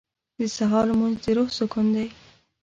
• د سهار لمونځ د روح سکون دی.